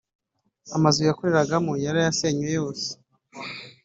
amazu yakoreragamo yo yarayasenywe yose